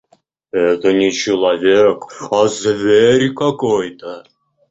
Это не человек, а зверь какой-то!